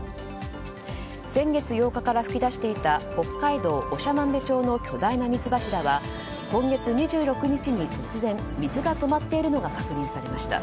先月８日から噴き出していた北海道長万部町の巨大な水柱は今月２６日に突然水が止まっているのが確認されました。